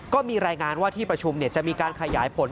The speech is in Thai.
ก็มีรายงานว่าที่ประชุมจะมีการขยายผล